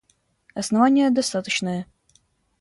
— Основание достаточное.